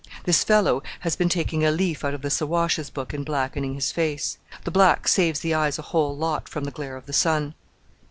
"This fellow has been taking a leaf out of the Siwash's book in blackening his face. The black saves the eyes a whole lot from the glare of the sun."